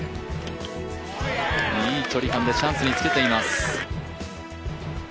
いい距離感でチャンスにつけています。